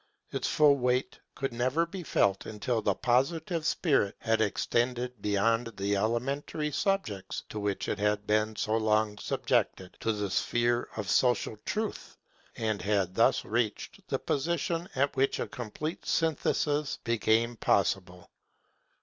Its full weight could never be felt until the Positive spirit had extended beyond the elementary subjects to which it had been so long subjected, to the sphere of social truth; and had thus reached the position at which a complete synthesis became possible.